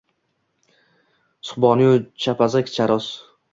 Subhoni-yu chapazak, charos.